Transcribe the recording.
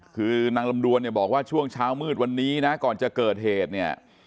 คือนางลำดวนเนี่ยบอกว่าช่วงเช้ามืดวันนี้นะก่อนจะเกิดเหตุเนี่ย